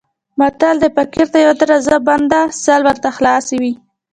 متل دی: فقیر ته یوه دروازه بنده سل ورته خلاصې وي.